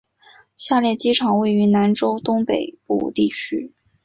下列机场位于非洲东北部地区。